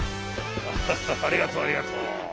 ハッハッハありがとうありがとう。